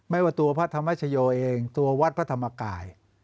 ว่าตัวพระธรรมชโยเองตัววัดพระธรรมกาย